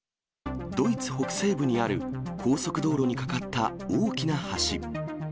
ドイツ北西部にある高速道路に架かった大きな橋。